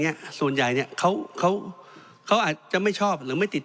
เนี้ยส่วนใหญ่เนี้ยเขาเขาอาจจะไม่ชอบหรือไม่ติด